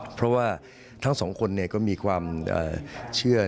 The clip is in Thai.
เพราะว่าทั้งสองคนก็มีความเชื่อ